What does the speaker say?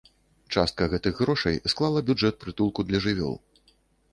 Частка гэтых грошай склала бюджэт прытулку для жывёл.